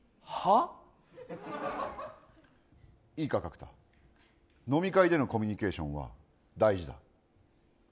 いいか、角田、飲み会でのコミュニケーションは大事だ。